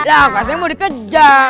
lah pasnya mau dikejar